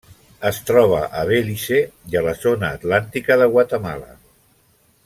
Es troba a Belize i a la zona atlàntica de Guatemala.